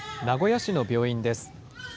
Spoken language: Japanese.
名古屋市の病院です。